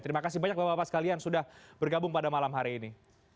terima kasih banyak bapak bapak sekalian sudah bergabung pada malam hari ini